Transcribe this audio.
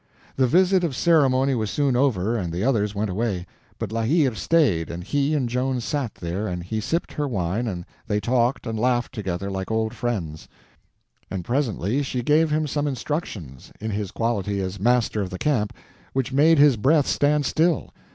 The visit of ceremony was soon over, and the others went away; but La Hire stayed, and he and Joan sat there, and he sipped her wine, and they talked and laughed together like old friends. And presently she gave him some instructions, in his quality as master of the camp, which made his breath stand still.